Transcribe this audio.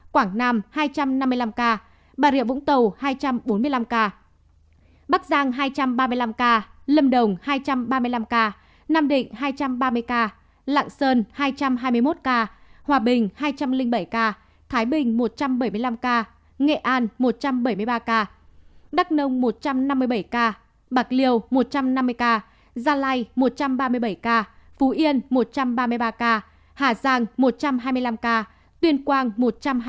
quảng nam hai trăm năm mươi năm ca bà rịa vũng tàu hai trăm bốn mươi năm ca bắc giang hai trăm ba mươi năm ca lâm đồng hai trăm ba mươi năm ca nam định hai trăm ba mươi ca lạng sơn hai trăm hai mươi một ca hòa bình hai trăm linh bảy ca thái bình một trăm bảy mươi năm ca nghệ an một trăm bảy mươi ba ca đắk nông một trăm năm mươi bảy ca bạc liêu một trăm năm mươi ca gia lai một trăm ba mươi bảy ca phú yên một trăm ba mươi ba ca hà giang một trăm hai mươi năm ca tuyên quang một trăm năm mươi bảy ca